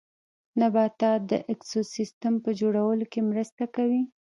نباتات د ايکوسيستم په جوړولو کې مرسته کوي